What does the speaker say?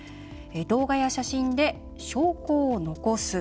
動画や写真で証拠を残す。